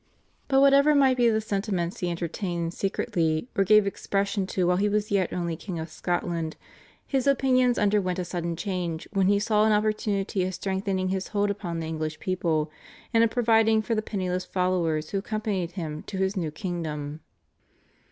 But whatever might be the sentiments he entertained secretly or gave expression to while he was yet only King of Scotland, his opinions underwent a sudden change when he saw an opportunity of strengthening his hold upon the English people, and of providing for the penniless followers who accompanied him to his new kingdom.